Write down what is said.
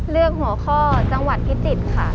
เลือกหัวข้อจังหวัดพิจิตรค่ะ